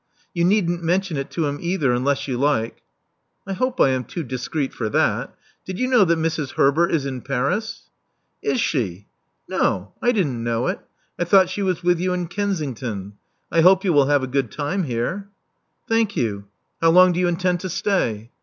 You needn't mention it to him either, unless you like." I hope I am too discreet for that. Did you know that Mrs. Herbert is in Paris?" Is she? No, I didn't know it: I thought she was with you in Kensington. I hope you will have a good time here." Thank you. How long do you intend to stay?"